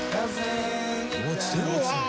落ちてる落ちてる。